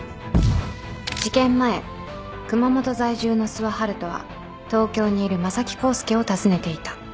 事件前熊本在住の諏訪遙人は東京にいる正木浩介を訪ねていた。